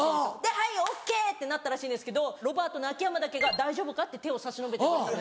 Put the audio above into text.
「はいＯＫ」ってなったらしいんですけどロバートの秋山だけが「大丈夫か？」って手を差し伸べてくれた。